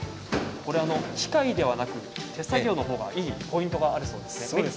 これ機械ではなく手作業のほうがいいポイントがあるそうですね。